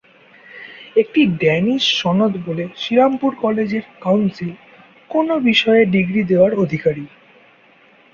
একটি ড্যানিশ সনদ বলে শ্রীরামপুর কলেজের কাউন্সিল কোনো বিষয়ে ডিগ্রি দেওয়ার অধিকারী।